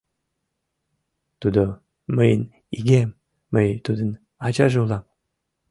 Тудо — мыйын игем, мый тудын ачаже улам.